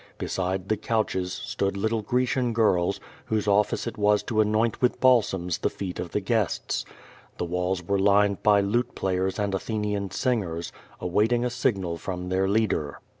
Beside the couches stood little Grecian girls, whose office it was to anoint with balsams the feet of the guests. The Avails were lined by lute players and Athenian singers, awaiting a signal from their leader.